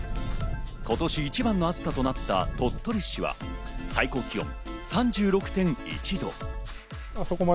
今年一番の暑さとなった鳥取市は、最高気温３６．１度。